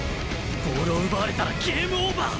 ボールを奪われたらゲームオーバー